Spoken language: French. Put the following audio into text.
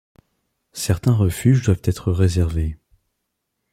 Certains refuges doivent être réservés.